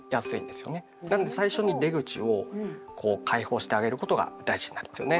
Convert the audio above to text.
なんで最初に出口をこう開放してあげることが大事になるんですよね。